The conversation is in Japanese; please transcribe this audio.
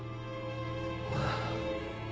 ああ。